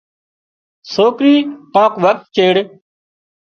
سوڪري ڪانڪ وکت چيڙ